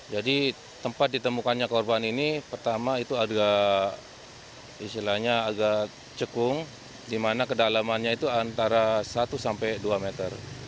jadi tempat ditemukannya korban ini pertama itu agak cekung dimana kedalamannya itu antara satu sampai dua meter